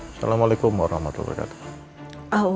assalamualaikum warahmatullahi wabarakatuh